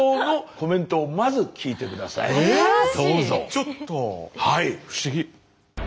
ちょっと不思議。